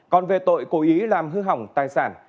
còn về tội cố ý làm hư hỏng tài sản